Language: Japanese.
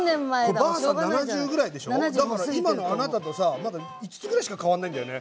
だから今のあなたとさ５つぐらいしか変わんないんだよね。